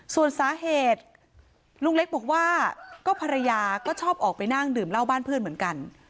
ส่วนสาเหตุลุงเล็กบอกว่าก็ภรรยาก็ชอบออกไปนั่งดื่มเหล้าบ้านเพื่อนเหมือนกัน